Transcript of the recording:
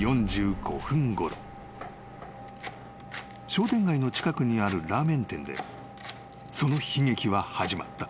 ［商店街の近くにあるラーメン店でその悲劇は始まった］